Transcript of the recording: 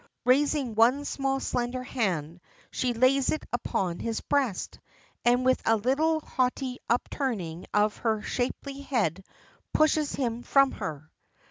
Raising one small, slender hand, she lays it upon his breast, and, with a little haughty upturning of her shapely head, pushes him from her.